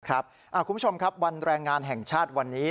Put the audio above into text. คุณผู้ชมครับวันแรงงานแห่งชาติวันนี้